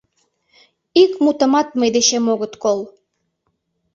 Ик мутымат мый дечем огыт кол!